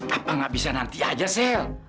apa gak bisa nanti aja sel